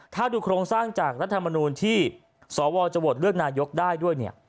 ถ้าดูโครงสร้างจากรัฐมนูลที่สวจะโหวตเลือกนายกได้ด้วยเนี่ย